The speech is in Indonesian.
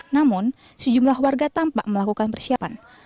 namun sejumlah warga tampak melakukan persiapan